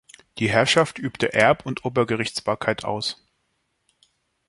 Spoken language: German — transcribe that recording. Die Herrschaft übte Erb- und Obergerichtsbarkeit aus.